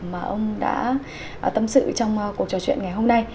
mà ông đã tâm sự trong cuộc trò chuyện ngày hôm nay